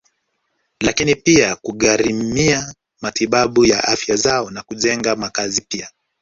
Lakini pia kugharimia matibabu ya afya zao na kujenga makazi pia